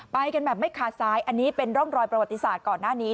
ไปกันแบบไม่ขาดซ้ายอันนี้เป็นร่องรอยประวัติศาสตร์ก่อนหน้านี้